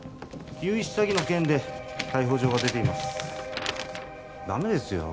融資詐欺の件で逮捕状が出ていますダメですよ